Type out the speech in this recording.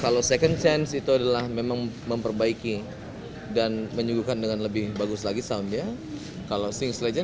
lagu ini terangkum bersama sembilan tembang lainnya dalam album sings legend